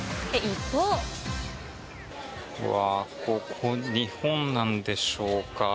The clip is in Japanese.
うわー、ここ、日本なんでしょうか。